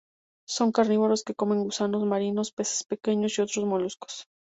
Son carnívoros que comen gusanos marinos, peces pequeños y otros moluscos.